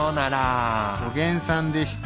おげんさんでした。